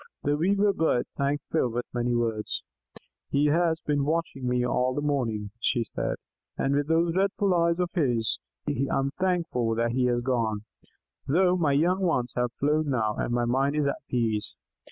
The Weaver Bird thanked Phil with many words. "He has been watching me all the morning," she said, "with those dreadful eyes of his. I am thankful that he has gone, though my young ones have flown now, and my mind is at peace.